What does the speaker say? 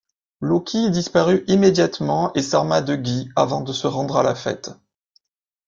Loki disparut immédiatement et s’arma de gui avant de se rendre à la fête.